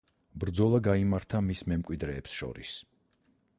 ბრძოლა გაიმართა მის მემკვიდრეებს შორის.